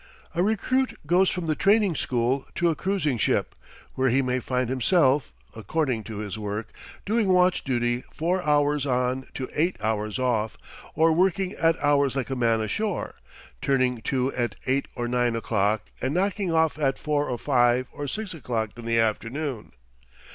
A recruit goes from the training school to a cruising ship, where he may find himself according to his work doing watch duty four hours on to eight hours off; or working at hours like a man ashore turning to at eight or nine o'clock and knocking off at four or five or six o'clock in the afternoon.